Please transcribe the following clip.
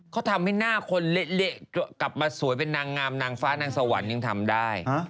เขาทำให้หน้าคนเละกลับมาสวยเป็นนางงามนางฟ้านางสวรรค์ยังทำได้